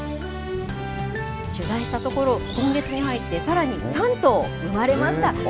取材したところ、今月に入って、さらに３頭生まれました。